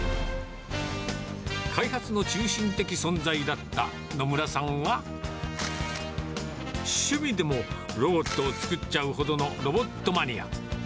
開発の中心的存在だった野村さんは、趣味でもロボットを作っちゃうほどのロボットマニア。